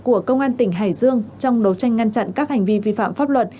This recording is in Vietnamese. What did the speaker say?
của công an tỉnh hải dương trong đấu tranh ngăn chặn các hành vi vi phạm pháp luật